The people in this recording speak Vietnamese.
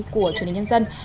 của truyền hình nhân dân